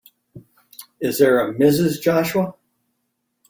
Is there a Mrs. Joshua?